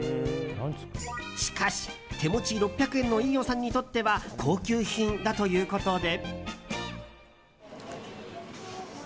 しかし、手持ち６００円の飯尾さんにとっては高級品だということで。